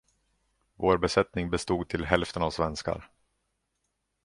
Vår besättning bestod till hälften av svenskar.